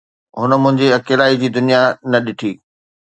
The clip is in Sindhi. هن منهنجي اڪيلائي جي دنيا نه ڏٺي